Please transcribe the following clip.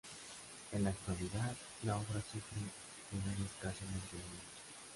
En la actualidad, la obra sufre de un escaso mantenimiento.